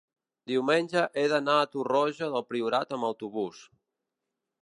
diumenge he d'anar a Torroja del Priorat amb autobús.